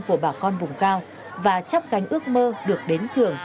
của bà con vùng cao và chấp cánh ước mơ được đến trường